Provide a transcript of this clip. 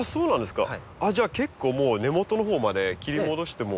じゃあ結構もう根元のほうまで切り戻しても。